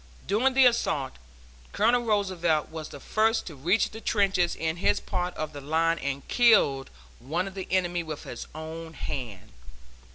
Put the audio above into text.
During the assault, Colonel Roosevelt was the first to reach the trenches in his part of the line and killed one of the enemy with his own hand.